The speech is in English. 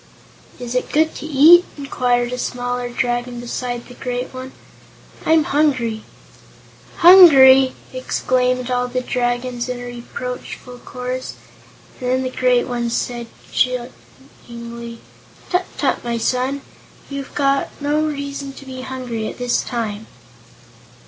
"Is it good to eat?" inquired a smaller Dragon beside the great one. "I'm hungry." "Hungry!" exclaimed all the Dragons, in a reproachful chorus; and then the great one said chidingly: "Tut tut, my son! You've no reason to be hungry at this time."